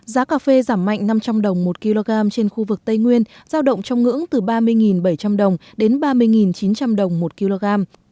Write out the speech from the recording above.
giá cà phê giảm mạnh năm trăm linh đồng một kg trên khu vực tây nguyên giao động trong ngưỡng từ ba mươi bảy trăm linh đồng đến ba mươi chín trăm linh đồng một kg